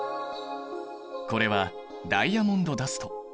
これはダイヤモンドダスト。